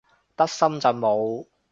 得深圳冇